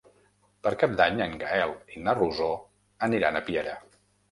Per Cap d'Any en Gaël i na Rosó aniran a Piera.